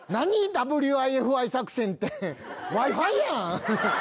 ＷＩＦＩ作戦ってＷｉ−Ｆｉやん。